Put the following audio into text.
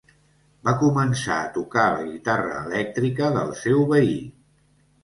Va començar a tocar la guitarra elèctrica del seu veí.